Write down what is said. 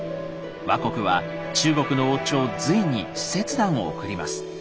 倭国は中国の王朝隋に使節団を送ります。